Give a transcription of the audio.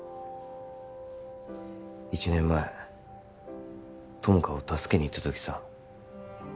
１年前友果を助けに行った時さ